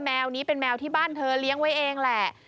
แมวนี้เป็นแมวที่บ้านเธอเลี้ยงไว้เองแหละ